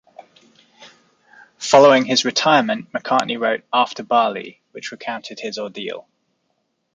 Following his retirement, McCartney wrote "After Bali", which recounted his ordeal.